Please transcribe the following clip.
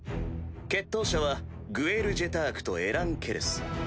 決闘者はグエル・ジェタークとエラン・ケレス。